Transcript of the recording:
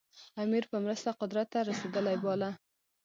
امیر په مرسته قدرت ته رسېدلی باله.